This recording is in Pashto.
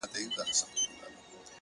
خپل ژوند له موخې سره وتړئ,